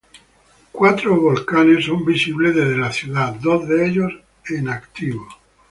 Cuatro volcanes son visibles desde la ciudad, dos de ellos activos.